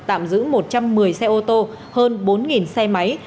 tạm giữ một trăm một mươi xe ô tô hơn bốn xe máy